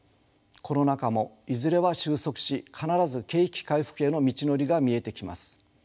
コロナ禍もいずれは収束し必ず景気回復への道のりが見えてきます。